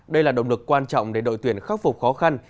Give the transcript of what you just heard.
đây là động lực quan trọng để đội tuyển khắc phục khó khăn